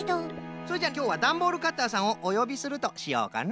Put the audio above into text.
それじゃきょうはダンボールカッターさんをおよびするとしようかの。